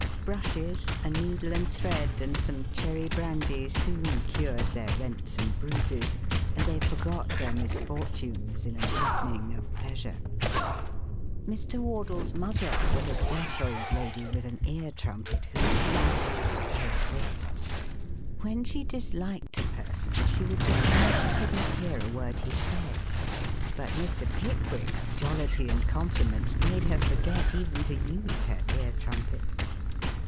Brushes, a needle and thread and some cherry brandy soon cured their rents and bruises and they forgot their misfortunes in an evening of pleasure. Mr. Wardle's mother was a deaf old lady with an ear trumpet, who loved to play whist. When she disliked a person she would pretend she could not hear a word he said, but Mr. Pickwick's jollity and compliments made her forget even to use her ear trumpet.